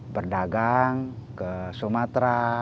berdagang ke sumatera